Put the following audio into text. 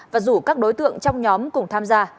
và rủ các đối tượng trong nhóm cùng tham gia